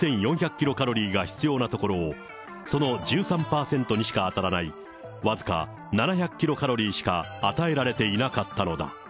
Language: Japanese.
キロカロリーが必要なところを、その１３％にしか当たらない、僅か７００キロカロリーしか与えられていなかったのだ。